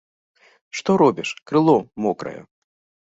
Што робіш, крыло мокрае.